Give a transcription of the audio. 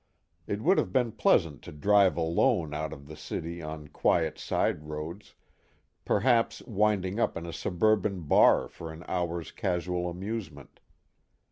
It would have been pleasant to drive alone out of the city on quiet side roads, perhaps winding up in a suburban bar for an hour's casual amusement.